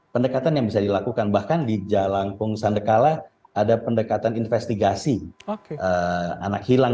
pendekatan yang bisa dilakukan bahkan di jalan pengusahandekala ada pendekatan investigasi anak hilang